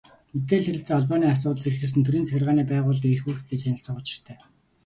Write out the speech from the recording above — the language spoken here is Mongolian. Мэдээлэл, харилцаа холбооны асуудал эрхэлсэн төрийн захиргааны байгууллагын эрх үүрэгтэй танилцах учиртай.